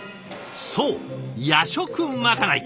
そう夜食まかない！